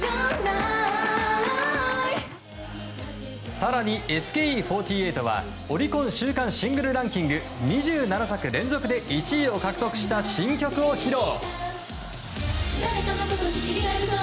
更に、ＳＫＥ４８はオリコン週間シングルランキング２７作連続で１位を獲得した新曲を披露。